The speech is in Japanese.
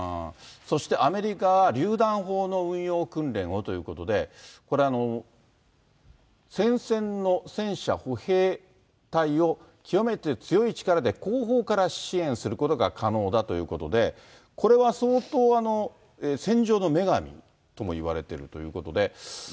そしてアメリカはりゅう弾砲の運用訓練をということで、これ、前線の戦車、歩兵隊を極めて強い力で後方から支援することが可能だということで、これは相当、戦場の女神ともいわれているということで。